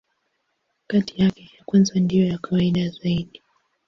Kati yake, ya kwanza ndiyo ya kawaida zaidi.